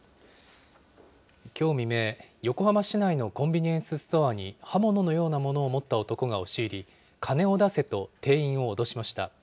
きょう未明、横浜市内のコンビニエンスストアに刃物のようなものを持った男が押し入り、金を出せと、店員を脅しました。